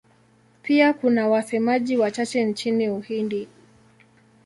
Pia kuna wasemaji wachache nchini Uhindi.